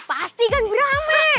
pasti kan beramik